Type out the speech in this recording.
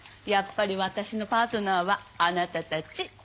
やっぱり私のパートナーはあなたたち。